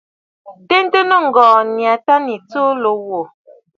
Tɔ̀ʼɔ̀tə̀ nɨŋgɔ̀ɔ̀ nyâ tâ nɨ̀ tsuu lǒ wò.